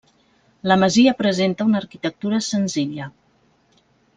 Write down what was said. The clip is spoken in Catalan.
La masia presenta una arquitectura senzilla.